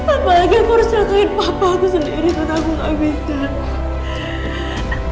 apa lagi aku harus cakapin papa aku sendiri padaku kak wita